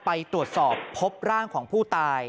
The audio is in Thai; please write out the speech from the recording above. ไปตรวจสอบพบร่างของผู้ตาย